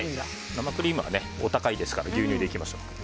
生クリームはお高いですから牛乳でいきましょう。